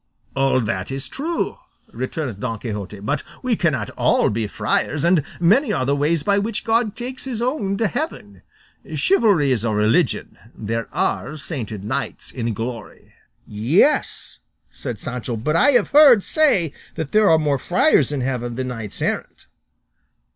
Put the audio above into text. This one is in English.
"All that is true," returned Don Quixote, "but we cannot all be friars, and many are the ways by which God takes his own to heaven; chivalry is a religion, there are sainted knights in glory." "Yes," said Sancho, "but I have heard say that there are more friars in heaven than knights errant."